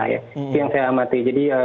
itu yang saya amati